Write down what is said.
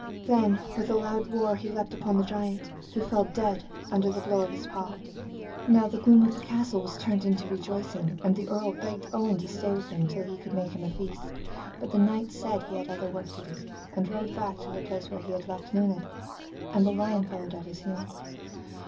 Then with a loud roar he leaped upon the giant, who fell dead under the blow of his paw. Now the gloom of the castle was turned into rejoicing, and the earl begged Owen to stay with him till he could make him a feast, but the knight said he had other work to do, and rode back to the place where he had left Luned, and the lion followed at his heels.